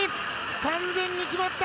完全に決まった。